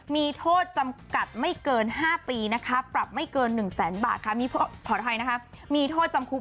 มีโทษจำกัดไม่เกิน๕ปีปรับไม่เกิน๑๐๐๐๐๐บาท